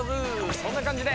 そんな感じで。